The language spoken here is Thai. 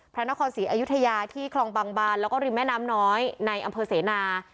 พระนครศรีอยุธยาที่คลองบางบานแล้วก็ริมแม่น้ำน้อยในอำเภอเสนา